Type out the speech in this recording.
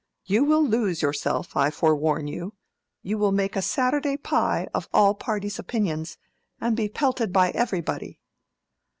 You will lose yourself, I forewarn you. You will make a Saturday pie of all parties' opinions, and be pelted by everybody."